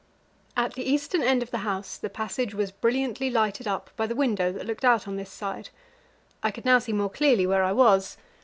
At the eastern end of the house the passage was brilliantly lighted up by the window that looked out on this side; I could now see more clearly where I was.